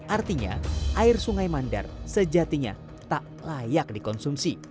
artinya air sungai mandar sejatinya tak layak dikonsumsi